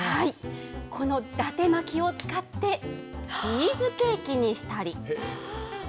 このだて巻きを使って、チーズケーキにしたり。